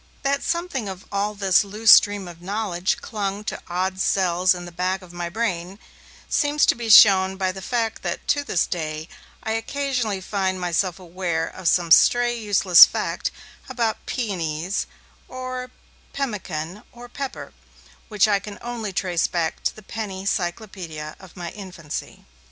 That something of all this loose stream of knowledge clung to odd cells of the back of my brain seems to be shown by the fact that to this day, I occasionally find myself aware of some stray useless fact about peonies or pemmican or pepper, which I can only trace back to the Penny Cyclopaedia of my infancy.